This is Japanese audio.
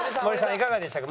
いかがでしたか？